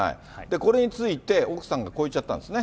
これについて、奥さんがこう言っちゃったんですね。